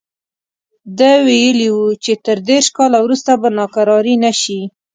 ده ویلي وو چې تر دېرش کاله وروسته به ناکراري نه شي.